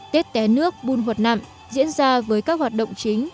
tết té nước buôn hột nặng diễn ra với các hoạt động chính